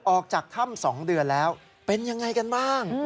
ออกจากถ้ำ๒เดือนแล้วเป็นยังไงกันบ้าง